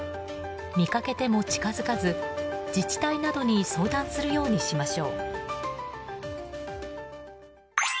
見かけても近づかず自治体などに相談するようにしましょう。